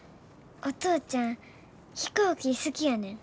お父ちゃん飛行機好きやねん。